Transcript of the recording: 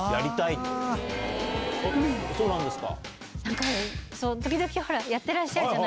そうなんですか？